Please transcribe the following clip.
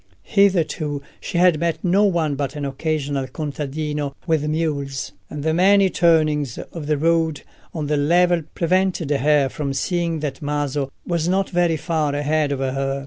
Hitherto she had met no one but an occasional contadino with mules, and the many turnings of the road on the level prevented her from seeing that Maso was not very far ahead of her.